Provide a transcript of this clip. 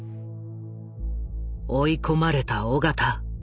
追い込まれた緒方。